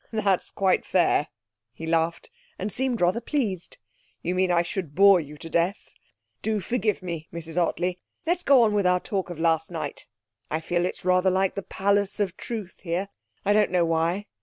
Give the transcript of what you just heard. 'That's quite fair,' he laughed, and seemed rather pleased. 'You mean I should bore you to death! Do forgive me, Mrs Ottley. Let's go on with our talk of last night.... I feel it's rather like the Palace of Truth here; I don't know why.